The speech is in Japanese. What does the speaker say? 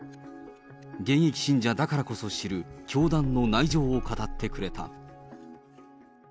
現役信者だからこそ知る、教団の内情を語ってくれた。